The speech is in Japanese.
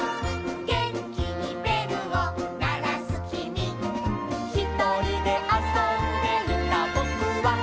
「げんきにべるをならすきみ」「ひとりであそんでいたぼくは」